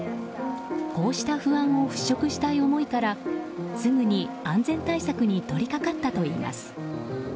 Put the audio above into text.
こうした不安を払しょくしたい思いからすぐに安全対策に取りかかったといいます。